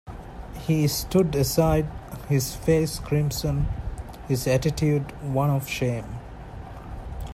He stood aside, his face crimson, his attitude one of shame.